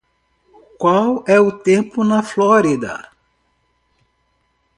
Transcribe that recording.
Qual é o tempo na Flórida?